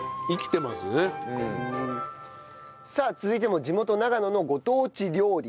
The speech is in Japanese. さあ続いても地元長野のご当地料理。